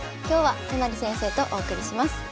今日は都成先生とお送りします。